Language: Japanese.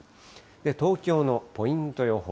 東京のポイント予報。